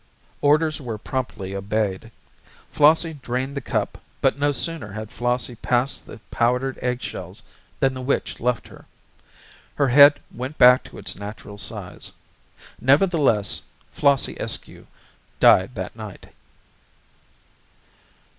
Orders were promptly obeyed. Flossie drained the cup but no sooner had Flossie passed the powdered egg shells than the witch left her. Her head went back to its natural size. Nevertheless Flossie Eskew died that night.